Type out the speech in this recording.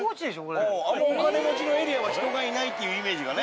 お金持ちのエリアは人がいないっていうイメージがね。